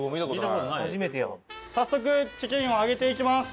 早速チキンを揚げていきます。